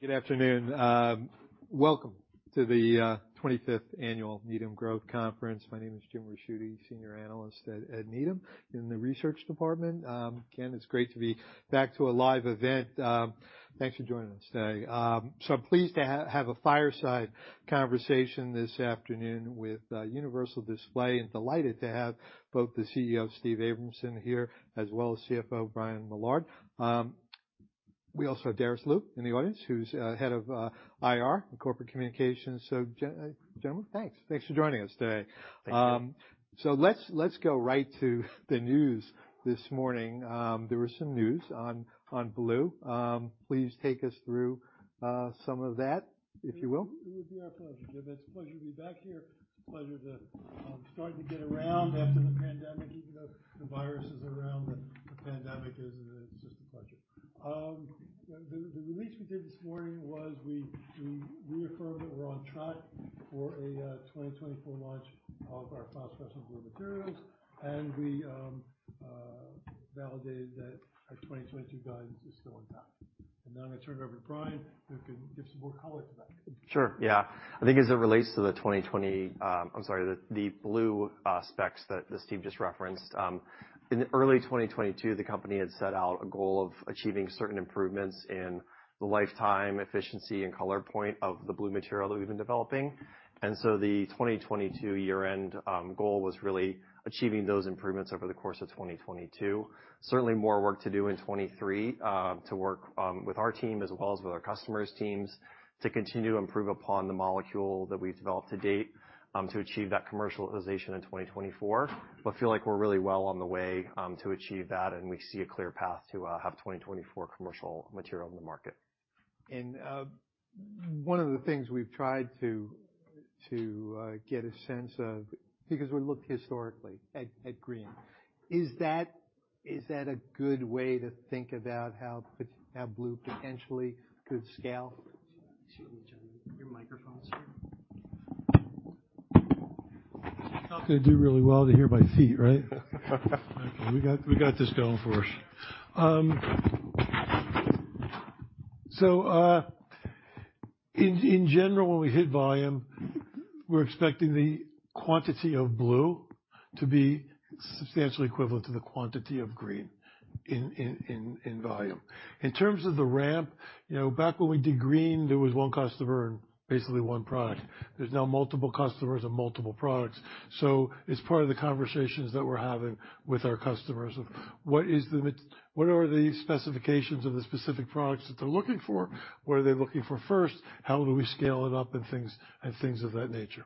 Good afternoon. Welcome to the 25th Annual Needham Growth Conference. My name is Jim Ricchiuti, Senior Analyst at Needham in the research department. It's great to be back to a live event. Thanks for joining us today. I'm pleased to have a fireside conversation this afternoon with Universal Display and delighted to have both the CEO, Steven Abramson, here, as well as CFO Brian Millard. We also have Darice Liu in the audience, who's head of IR and Corporate Communications. Gentlemen, thanks. Thanks for joining us today. Thank you. Let's go right to the news this morning. There was some news on blue. Please take us through some of that, if you will. It would be our pleasure, Jim. It's a pleasure to be back here. It's a pleasure to start to get around after the pandemic, even though the virus is around, the pandemic isn't, and it's just a pleasure. The release we did this morning was we reaffirmed that we're on track for a 2024 launch of our phosphorescent blue materials, and we validated that our 2022 guidance is still intact. Now I'm gonna turn it over to Brian, who can give some more color to that. Sure, yeah. I think as it relates to the blue specs that Steve just referenced, in early 2022, the company had set out a goal of achieving certain improvements in the lifetime efficiency and color point of the blue material that we've been developing. The 2022 year-end goal was really achieving those improvements over the course of 2022. Certainly more work to do in 2023 to work with our team as well as with our customers' teams to continue to improve upon the molecule that we've developed to date to achieve that commercialization in 2024. Feel like we're really well on the way to achieve that, and we see a clear path to have 2024 commercial material in the market. One of the things we've tried to get a sense of, because we look historically at green, is that a good way to think about how blue potentially could scale? Excuse me, Jim. Your microphone's here. It's not gonna do really well to hear my feet, right? We got this going for us. In general, when we hit volume, we're expecting the quantity of blue to be substantially equivalent to the quantity of green in volume. In terms of the ramp, you know, back when we did green, there was one customer and basically one product. There's now multiple customers and multiple products. It's part of the conversations that we're having with our customers of what are the specifications of the specific products that they're looking for? What are they looking for first? How do we scale it up, and things of that nature.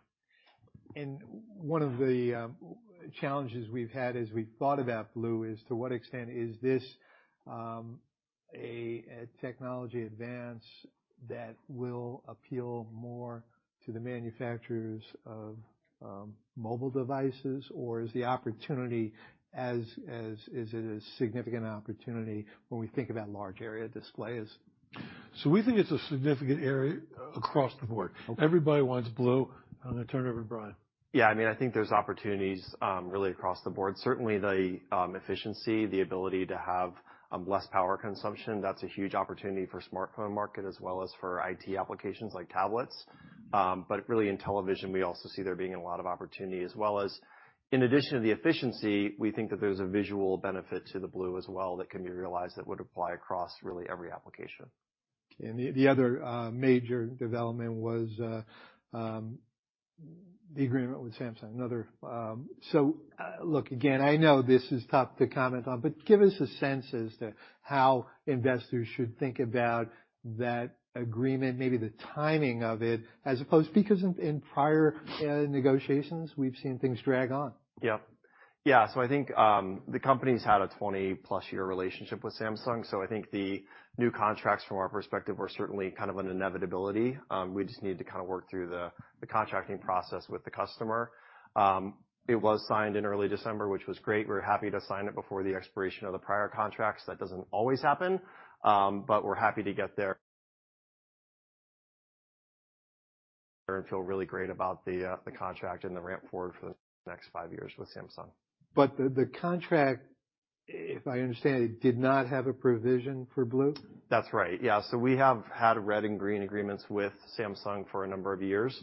One of the challenges we've had as we've thought about blue is to what extent is this a technology advance that will appeal more to the manufacturers of mobile devices, or is it a significant opportunity when we think about large area displays? We think it's a significant area across the board. Okay. Everybody wants blue. I'm gonna turn it over to Brian. Yeah, I mean, I think there's opportunities, really across the board. Certainly the efficiency, the ability to have less power consumption, that's a huge opportunity for smartphone market as well as for IT applications like tablets. Really in television, we also see there being a lot of opportunity as well as in addition to the efficiency, we think that there's a visual benefit to the blue as well that can be realized that would apply across really every application. The other major development was the agreement with Samsung, another. Look, again, I know this is tough to comment on, but give us a sense as to how investors should think about that agreement, maybe the timing of it, as opposed because in prior negotiations, we've seen things drag on. Yep. Yeah, I think the company's had a 20-plus year relationship with Samsung. I think the new contracts from our perspective were certainly kind of an inevitability. We just need to kind of work through the contracting process with the customer. It was signed in early December, which was great. We were happy to sign it before the expiration of the prior contracts. That doesn't always happen. We're happy to get there and feel really great about the contract and the ramp forward for the next five years with Samsung. The contract, if I understand, it did not have a provision for blue? That's right, yeah. We have had red and green agreements with Samsung for a number of years,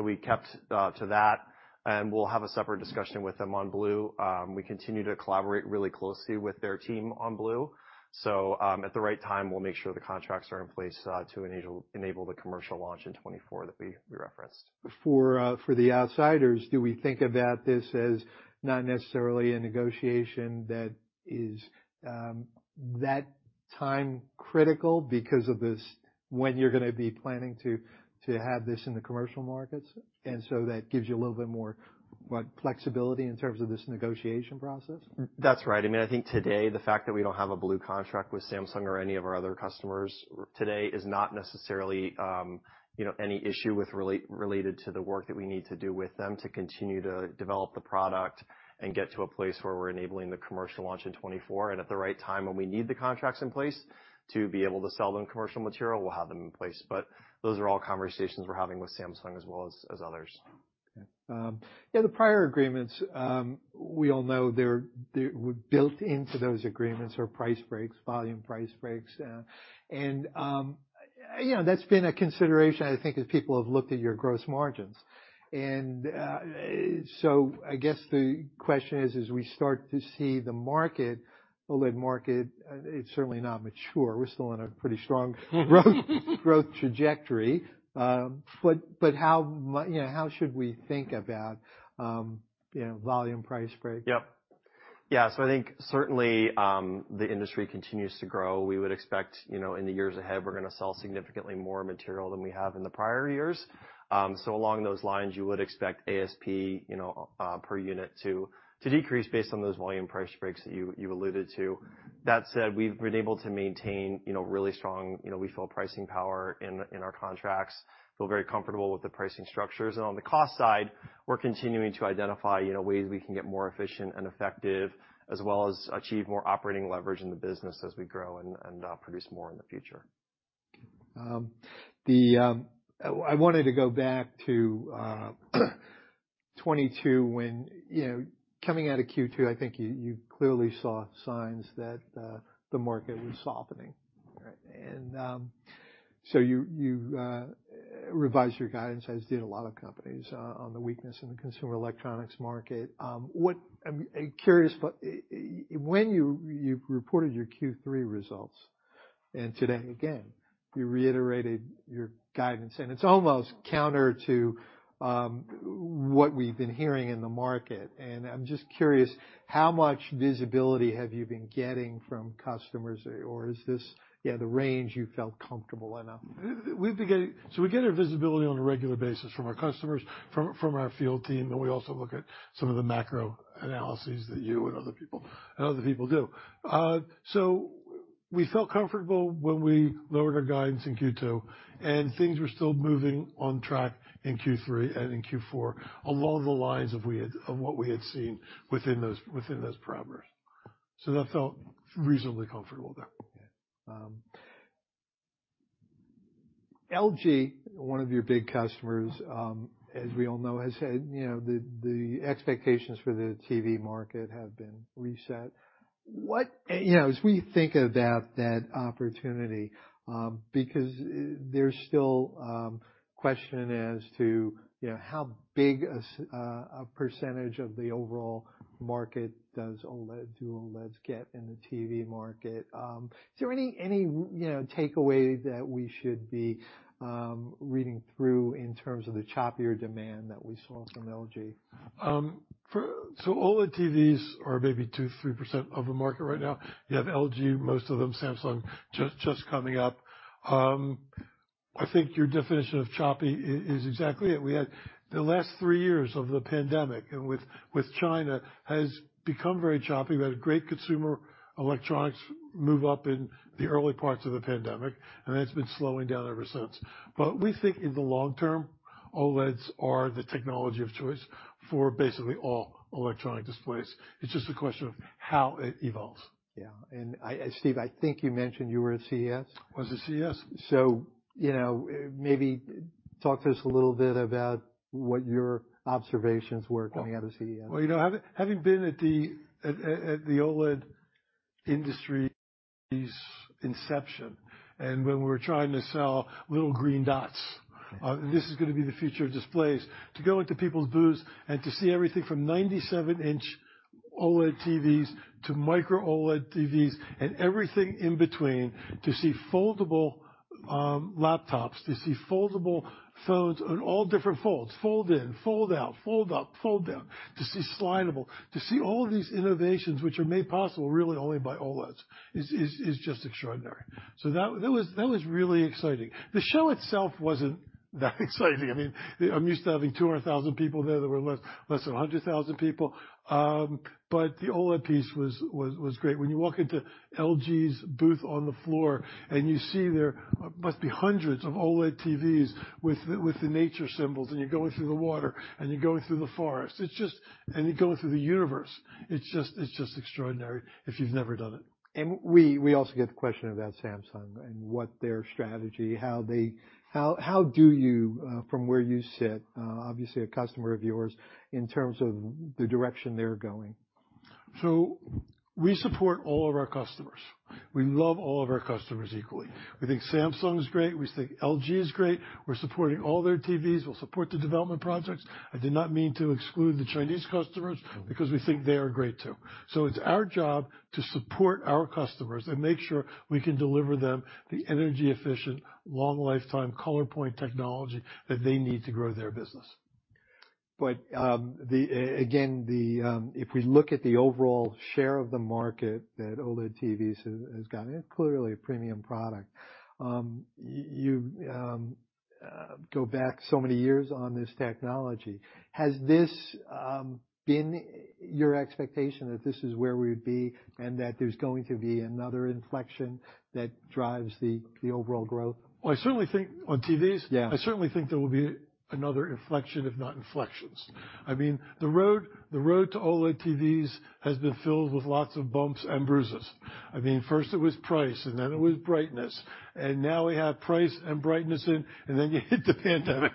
we kept to that, and we'll have a separate discussion with them on blue. We continue to collaborate really closely with their team on blue. At the right time, we'll make sure the contracts are in place to enable the commercial launch in 2024 that we referenced. For, for the outsiders, do we think about this as not necessarily a negotiation that is, that time critical because of this, when you're gonna be planning to have this in the commercial markets, and so that gives you a little bit more, what, flexibility in terms of this negotiation process? That's right. I mean, I think today, the fact that we don't have a blue contract with Samsung or any of our other customers today is not necessarily, you know, any issue related to the work that we need to do with them to continue to develop the product and get to a place where we're enabling the commercial launch in 2024. At the right time, when we need the contracts in place to be able to sell them commercial material, we'll have them in place. Those are all conversations we're having with Samsung as well as others. Okay. Yeah, the prior agreements, we all know they're built into those agreements are price breaks, volume price breaks. You know, that's been a consideration, I think, as people have looked at your gross margins. I guess the question is, as we start to see the market, OLED market, it's certainly not mature. We're still on a pretty strong growth trajectory. You know, how should we think about, you know, volume price breaks? Yep. Yeah. I think certainly, the industry continues to grow. We would expect, you know, in the years ahead, we're gonna sell significantly more material than we have in the prior years. Along those lines, you would expect ASP, you know, per unit to decrease based on those volume price breaks that you alluded to. That said, we've been able to maintain, you know, really strong, you know, we feel pricing power in our contracts. Feel very comfortable with the pricing structures. On the cost side, we're continuing to identify, you know, ways we can get more efficient and effective as well as achieve more operating leverage in the business as we grow and produce more in the future. I wanted to go back to 2022 when, you know, coming out of Q2, I think you clearly saw signs that the market was softening. Right? So you revised your guidance, as did a lot of companies on the weakness in the consumer electronics market. I'm curious when you reported your Q3 results, and today again, you reiterated your guidance, and it's almost counter to what we've been hearing in the market. I'm just curious, how much visibility have you been getting from customers? Or is this the range you felt comfortable enough? We get our visibility on a regular basis from our customers, from our field team. We also look at some of the macro analyses that you and other people do. We felt comfortable when we lowered our guidance in Q2. Things were still moving on track in Q3 and in Q4, along the lines of what we had seen within those parameters. That felt reasonably comfortable there. LG, one of your big customers, as we all know, has had, you know, the expectations for the TV market have been reset. You know, as we think about that opportunity, because there's still question as to, you know, how big a percentage of the overall market does OLED, do OLEDs get in the TV market. Is there any, you know, takeaway that we should be reading through in terms of the choppier demand that we saw from LG? OLED TVs are maybe 2% to 3% of the market right now. You have LG, most of them, Samsung, coming up. I think your definition of choppy is exactly it. We had the last three years of the pandemic, and China has become very choppy. We had a great consumer electronics move up in the early parts of the pandemic, and that's been slowing down ever since. We think in the long term, OLEDs are the technology of choice for basically all electronic displays. It's just a question of how it evolves. Yeah. Steve, I think you mentioned you were at CES. I was at CES. You know, maybe talk to us a little bit about what your observations were coming out of CES? Well, you know, having been at the OLED industry's inception, and when we were trying to sell little green dots, this is gonna be the future of displays. To go into people's booths and to see everything from 97-inch OLED TVs to Micro-OLED TVs and everything in between, to see foldable laptops, to see foldable phones on all different folds, fold in, fold out, fold up, fold down. To see slidable. To see all these innovations which are made possible really only by OLEDs is just extraordinary. That was really exciting. The show itself wasn't that exciting. I mean, I'm used to having 200,000 people there. There were less than 100,000 people. The OLED piece was great. When you walk into LG's booth on the floor and you see there must be hundreds of OLED TVs with the nature symbols, and you're going through the water, and you're going through the forest. You're going through the universe. It's just extraordinary if you've never done it. We also get the question about Samsung and what their strategy. How do you, from where you sit, obviously a customer of yours, in terms of the direction they're going? We support all of our customers. We love all of our customers equally. We think Samsung is great. We think LG is great. We're supporting all their TVs. We'll support the development projects. I did not mean to exclude the Chinese customers because we think they are great too. It's our job to support our customers and make sure we can deliver them the energy-efficient, long lifetime color point technology that they need to grow their business. Again, the, if we look at the overall share of the market that OLED TVs has gotten, clearly a premium product, you go back so many years on this technology. Has this been your expectation that this is where we would be and that there's going to be another inflection that drives the overall growth? Well, I certainly think on TVs, I certainly think there will be another inflection, if not inflections. I mean, the road to OLED TVs has been filled with lots of bumps and bruises. I mean, first it was price, and then it was brightness. Now we have price and brightness in, and then you hit the pandemic,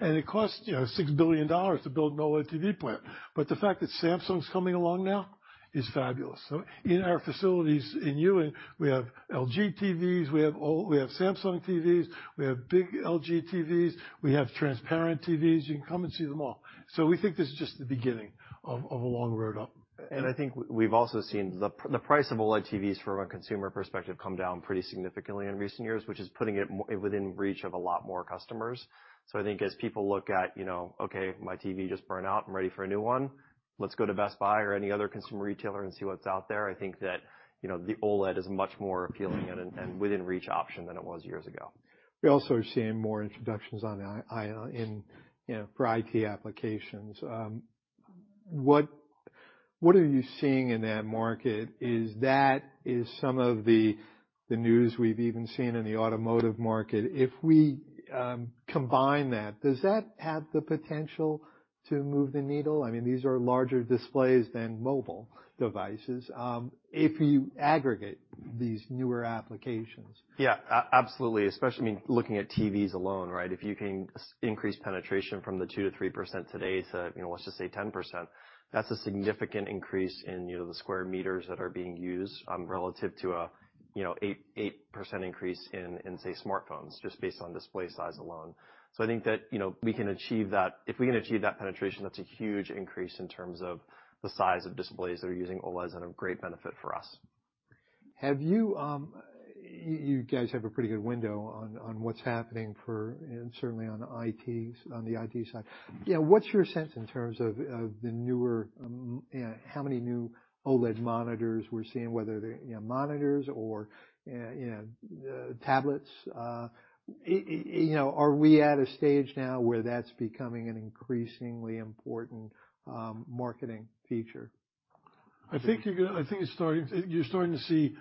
and it costs, you know, $6 billion to build an OLED TV plant. The fact that Samsung's coming along now is fabulous. In our facilities in Ewing, we have LG TVs, we have Samsung TVs, we have big LG TVs, we have transparent TVs. You can come and see them all. We think this is just the beginning of a long road up. I think we've also seen the price of OLED TVs from a consumer perspective come down pretty significantly in recent years, which is putting it within reach of a lot more customers. I think as people look at, you know, "Okay, my TV just burnt out, I'm ready for a new one. Let's go to Best Buy or any other consumer retailer and see what's out there," I think that, you know, the OLED is much more appealing and within reach option than it was years ago. We also are seeing more introductions on, you know, for IT applications. What are you seeing in that market? Is that some of the news we've even seen in the automotive market? If we combine that, does that have the potential to move the needle? I mean, these are larger displays than mobile devices. If you aggregate these newer applications. Yeah. absolutely, especially, I mean, looking at TVs alone, right? If you can increase penetration from the 2% to 3% today to, you know, let's just say 10%, that's a significant increase in, you know, the square meters that are being used, relative to a, you know, 8% increase in, say, smartphones, just based on display size alone. I think that, you know, we can achieve that. If we can achieve that penetration, that's a huge increase in terms of the size of displays that are using OLEDs and a great benefit for us. Have you guys have a pretty good window on what's happening for, certainly on the IT, on the IT side. You know, what's your sense in terms of the newer you know, how many new OLED monitors we're seeing, whether they're, you know, monitors or, you know, tablets. You know, are we at a stage now where that's becoming an increasingly important, marketing feature? You're starting to see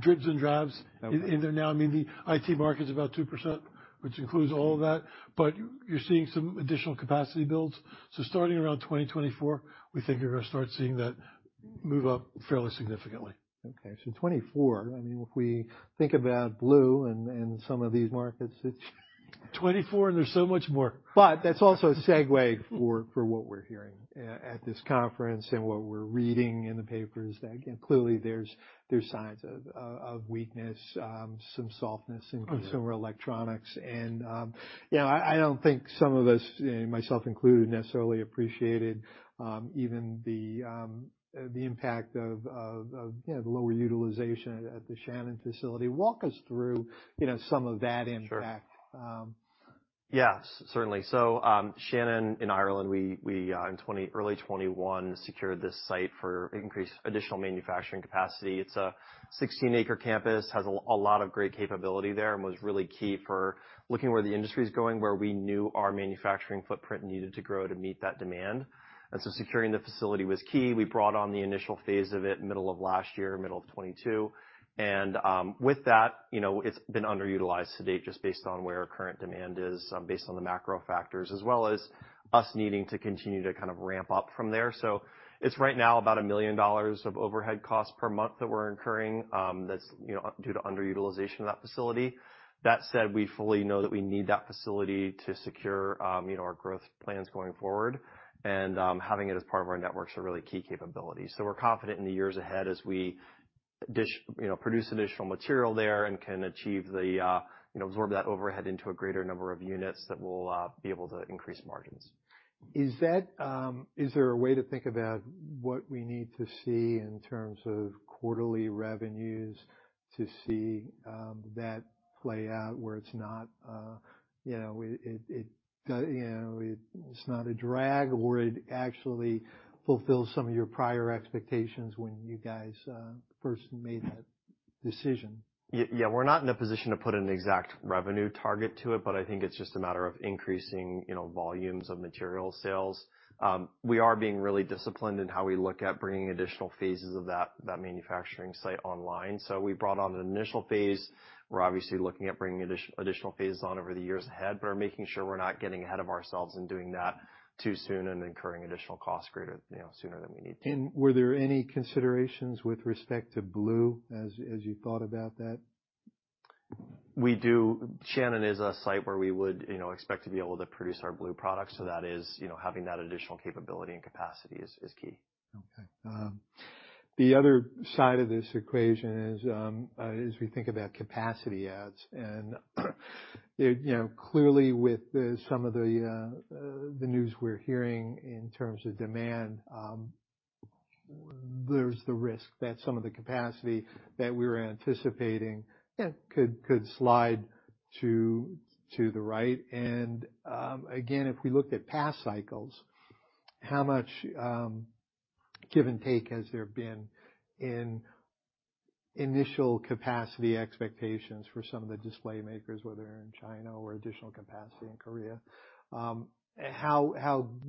dribs and drabs. Okay. In there now. I mean, the IT market is about 2%, which includes all of that. You're seeing some additional capacity builds. Starting around 2024, we think you're gonna start seeing that move up fairly significantly. Okay. 2024, I mean, if we think about blue and some of these markets, it's. 2024, there's so much more. That's also a segue for what we're hearing at this conference and what we're reading in the papers that, again, clearly there's signs of weakness, some softness in consumer electronics. You know, I don't think some of us, myself included, necessarily appreciated, even the impact of, you know, the lower utilization at the Shannon facility. Walk us through, you know, some of that impact. Sure. Yeah. Certainly. Shannon in Ireland, we in early 2021, secured this site for increased additional manufacturing capacity. It's a 16-acre campus, has a lot of great capability there, and was really key for looking where the industry is going, where we knew our manufacturing footprint needed to grow to meet that demand. Securing the facility was key. We brought on the initial phase of it middle of last year, middle of 2022. With that, you know, it's been underutilized to date just based on where our current demand is, based on the macro factors, as well as us needing to continue to kind of ramp up from there. It's right now about $1 million of overhead costs per month that we're incurring, that's, you know, due to underutilization of that facility. That said, we fully know that we need that facility to secure, you know, our growth plans going forward. Having it as part of our network's a really key capability. We're confident in the years ahead as we you know, produce additional material there and can achieve the, you know, absorb that overhead into a greater number of units that will, be able to increase margins. Is that, is there a way to think about what we need to see in terms of quarterly revenues to see that play out where it's not, you know, it's not a drag or it actually fulfills some of your prior expectations when you guys first made that decision? Yeah. We're not in a position to put an exact revenue target to it, but I think it's just a matter of increasing, you know, volumes of material sales. We are being really disciplined in how we look at bringing additional phases of that manufacturing site online. We brought on an initial phase. We're obviously looking at bringing additional phases on over the years ahead, but we're making sure we're not getting ahead of ourselves and doing that too soon and incurring additional costs greater, you know, sooner than we need to. Were there any considerations with respect to blue as you thought about that? We do. Shannon is a site where we would, you know, expect to be able to produce our blue products, so that is, you know, having that additional capability and capacity is key. Okay. The other side of this equation is, as we think about capacity adds, you know, clearly with the, some of the news we're hearing in terms of demand, there's the risk that some of the capacity that we're anticipating could slide to the right. Again, if we looked at past cycles, how much give and take has there been in initial capacity expectations for some of the display makers, whether in China or additional capacity in Korea? How,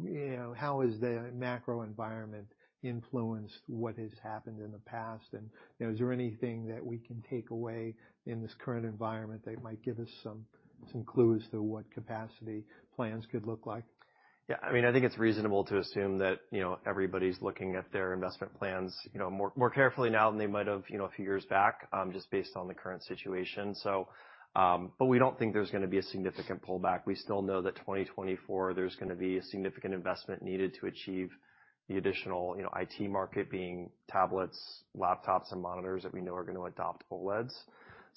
you know, how has the macro environment influenced what has happened in the past? You know, is there anything that we can take away in this current environment that might give us some clues to what capacity plans could look like? Yeah. I mean, I think it's reasonable to assume that, you know, everybody's looking at their investment plans, you know, more, more carefully now than they might have, you know, a few years back, just based on the current situation. But we don't think there's gonna be a significant pullback. We still know that 2024, there's gonna be a significant investment needed to achieve the additional, you know, IT market being tablets, laptops, and monitors that we know are gonna adopt OLEDs.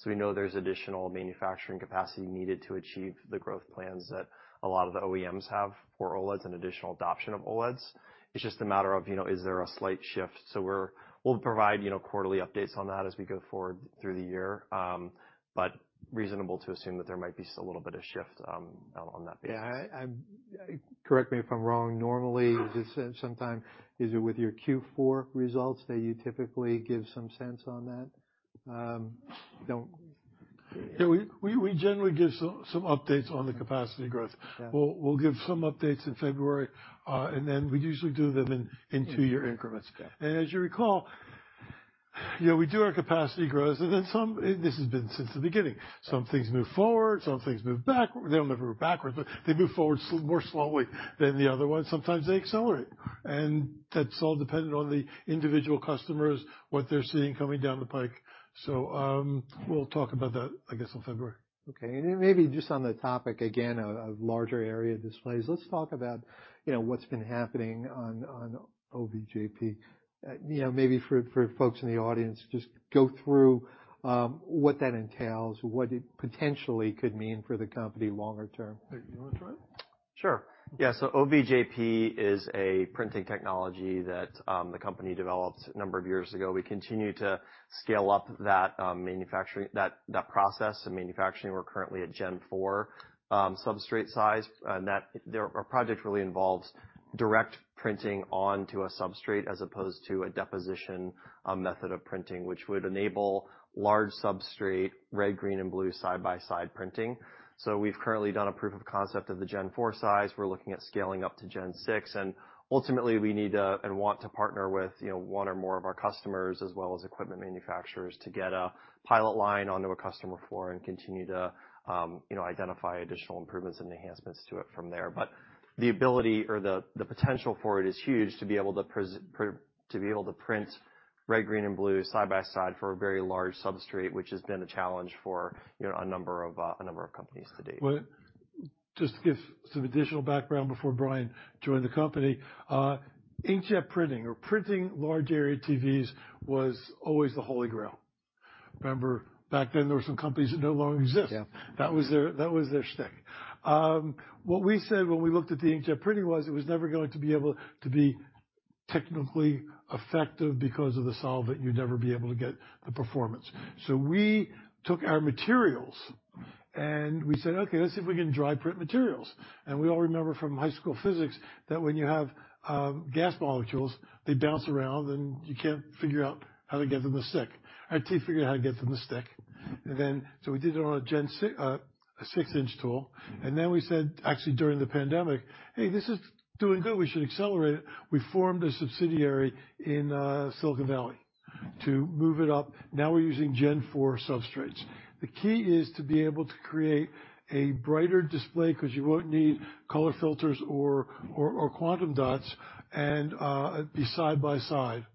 We know there's additional manufacturing capacity needed to achieve the growth plans that a lot of the OEMs have for OLEDs and additional adoption of OLEDs. It's just a matter of, you know, is there a slight shift? We'll provide, you know, quarterly updates on that as we go forward through the year. Reasonable to assume that there might be just a little bit of shift, on that basis. Yeah. Correct me if I'm wrong. Normally, is it with your Q4 results that you typically give some sense on that? We generally give some updates on the capacity growth. We'll give some updates in February, and then we usually do them in two-year increments. Okay. As you recall, you know, we do our capacity grows and then some. This has been since the beginning. Some things move forward, some things move back. They'll never backwards, but they move forward more slowly than the other ones. Sometimes they accelerate. That's all dependent on the individual customers, what they're seeing coming down the pike. We'll talk about that, I guess, in February. Okay. Maybe just on the topic, again, of larger area displays. Let's talk about, you know, what's been happening on OVJP. You know, maybe for folks in the audience, just go through what that entails, what it potentially could mean for the company longer term. You wanna try? Sure. Yeah. OVJP is a printing technology that the company developed a number of years ago. We continue to scale up that process and manufacturing. We're currently at Gen 4 substrate size, and our project really involves direct printing onto a substrate as opposed to a deposition method of printing, which would enable large substrate, red, green, and blue side-by-side printing. We've currently done a proof of concept of the Gen 4 size. We're looking at scaling up to Gen 6. Ultimately, we need to, and want to partner with, you know, one or more of our customers, as well as equipment manufacturers to get a pilot line onto a customer floor and continue to, you know, identify additional improvements and enhancements to it from there. The ability or the potential for it is huge, to be able to print red, green, and blue side-by-side for a very large substrate, which has been a challenge for, you know, a number of companies to date. Well, just to give some additional background before Brian joined the company, inkjet printing or printing large area TVs was always the Holy Grail. Remember back then, there were some companies that no longer exist. That was their, that was their shtick. What we said when we looked at the inkjet printing was it was never going to be able to be technically effective because of the solvent. You'd never be able to get the performance. We took our materials, and we said, "Okay, let's see if we can dry print materials." We all remember from high school physics that when you have gas molecules, they bounce around, and you can't figure out how to get them to stick. Our team figured out how to get them to stick. Then we did it on a Gen 6, a 6-inch tool. Then we said, actually, during the pandemic, "Hey, this is doing good. We should accelerate it." We formed a subsidiary in Silicon Valley to move it up. Now we're using Gen 4 substrates. The key is to be able to create a brighter display 'cause you won't need color filters or quantum dots and be side by side,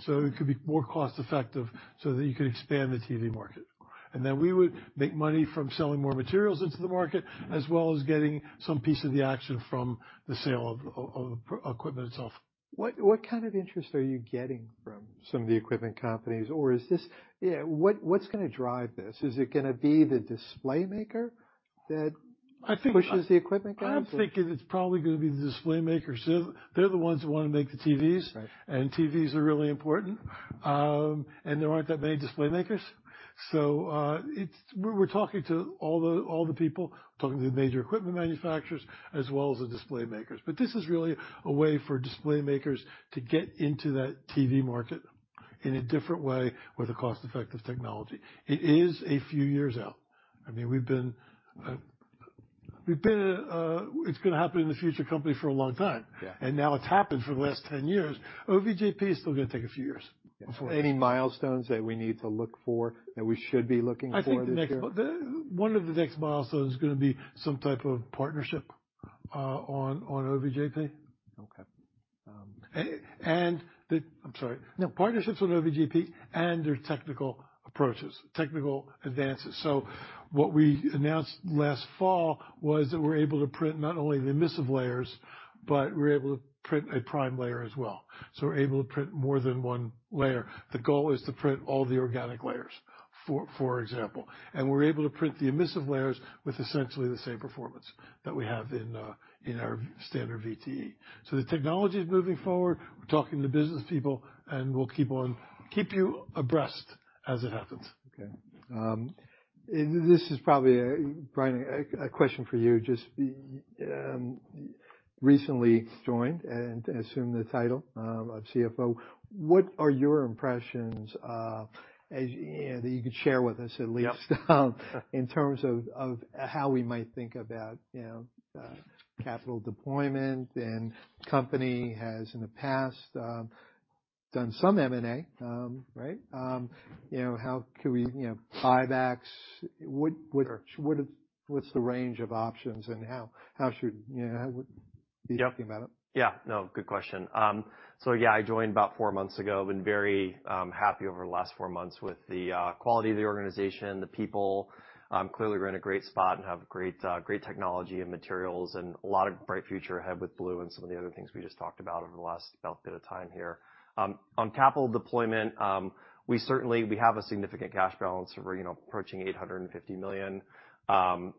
so it could be more cost effective so that you could expand the TV market. Then we would make money from selling more materials into the market, as well as getting some piece of the action from the sale of equipment itself. What kind of interest are you getting from some of the equipment companies? Or is this? Yeah, what's gonna drive this? Is it gonna be the display maker that. I think. Pushes the equipment guys? I'm thinking it's probably gonna be the display makers. They're the ones that wanna make the TVs. Right. TVs are really important. There aren't that many display makers. We're talking to all the people, talking to the major equipment manufacturers as well as the display makers. This is really a way for display makers to get into that TV market in a different way with a cost-effective technology. It is a few years out. I mean, we've been, it's gonna happen in the future company for a long time. Now it's happened for the last 10 years. OVJP is still going to take a few years. Any milestones that we need to look for, that we should be looking for this year? I think One of the next milestones is gonna be some type of partnership, on OVJP. Okay. I'm sorry. No. Partnerships with OVJP and their technical approaches, technical advances. What we announced last fall was that we're able to print not only the emissive layers, but we're able to print a prime layer as well. We're able to print more than one layer. The goal is to print all the organic layers, for example. We're able to print the emissive layers with essentially the same performance that we have in our standard VTE. The technology is moving forward. We're talking to business people, and we'll keep on, keep you abreast as it happens. Okay. This is probably, Brian, a question for you. Just recently joined and assumed the title of CFO. What are your impressions, as, you know, that you could share with us at least in terms of how we might think about, you know, capital deployment? Company has in the past done some M&A, right? you know, how can we, you know, buybacks? What? Sure. What's the range of options and how should, you know, how would you think about it? No, good question. I joined about four months ago. Been very happy over the last four months with the quality of the organization, the people. Clearly we're in a great spot and have great technology and materials and a lot of bright future ahead with blue and some of the other things we just talked about over the last bit of time here. On capital deployment, we certainly, we have a significant cash balance. We're, you know, approaching $850 million.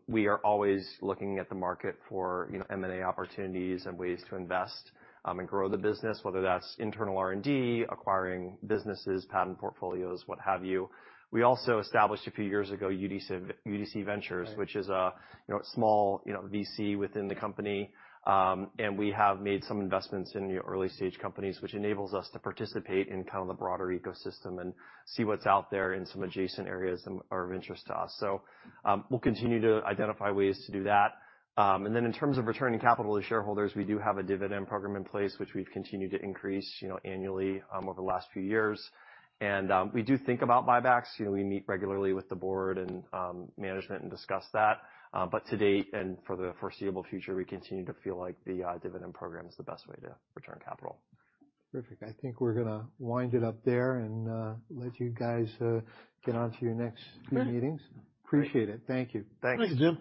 We are always looking at the market for, you know, M&A opportunities and ways to invest and grow the business, whether that's internal R&D, acquiring businesses, patent portfolios, what have you. We also established a few years ago, UDC Ventures- Right. Which is a, you know, small, you know, VC within the company. We have made some investments in early-stage companies, which enables us to participate in kind of the broader ecosystem and see what's out there in some adjacent areas and are of interest to us. We'll continue to identify ways to do that. Then in terms of returning capital to shareholders, we do have a dividend program in place which we've continued to increase, you know, annually, over the last few years. We do think about buybacks. You know, we meet regularly with the board and management and discuss that. To date, and for the foreseeable future, we continue to feel like the dividend program is the best way to return capital. Terrific. I think we're gonna wind it up there and, let you guys, get on to your next few meetings. Sure. Appreciate it. Thank you. Thanks. Thank you, Jim.